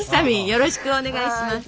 よろしくお願いします。